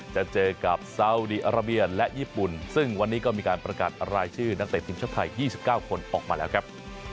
จะเจอกับซาวดีอาราเบียและญี่ปุ่นซึ่งวันนี้ก็มีการประกาศรายชื่อนักเตะทีมชาติไทย๒๙คนออกมาแล้วครับ